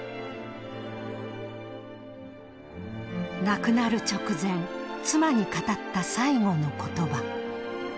亡くなる直前妻に語った最期の言葉。